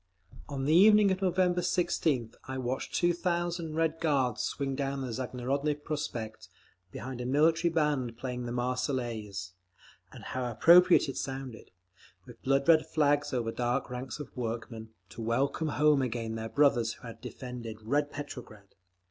On the evening of November 16th I watched two thousand Red Guards swing down the Zagorodny Prospekt behind a military band playing the Marseillaise—and how appropriate it sounded—with blood red flags over the dark ranks of workmen, to welcome home again their brothers who had defended "Red Petrograd."